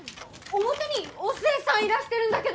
表にお寿恵さんいらしてるんだけど！